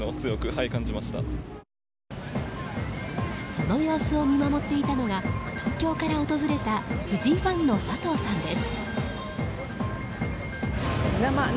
その様子を見守っていたのが東京から訪れた藤井ファンの佐藤さんです。